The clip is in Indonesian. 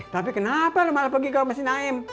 tapi kenapa lu malah pergi ke masin aim